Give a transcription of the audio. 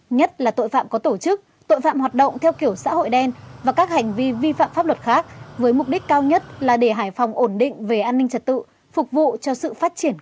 nhất là tội phạm có tổ chức tội phạm hoạt động theo kiểu xã hội đen và các hành vi vi phạm pháp luật khác với mục đích cao nhất là để hải phòng ổn định về an ninh trật tự phục vụ cho sự phát triển của